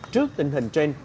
trước tình hình trên